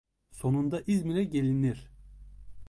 Sonunda İzmir'e gelinir.